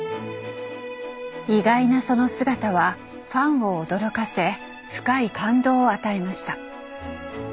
意外なその姿はファンを驚かせ深い感動を与えました。